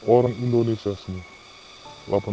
orang indonesia semua